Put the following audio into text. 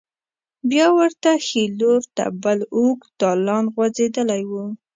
بیا ورته ښې لور ته بل اوږد دالان غوځېدلی و.